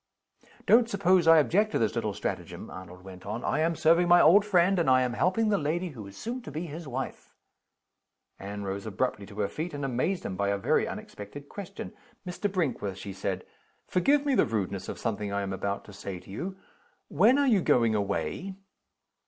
"Don't suppose I object to this little stratagem," Arnold went on. "I am serving my old friend, and I am helping the lady who is soon to be his wife." Anne rose abruptly to her feet, and amazed him by a very unexpected question. "Mr. Brinkworth," she said, "forgive me the rudeness of something I am about to say to you. When are you going away?"